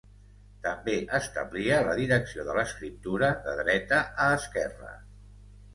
També establia la direcció de l'escriptura de dreta a esquerra.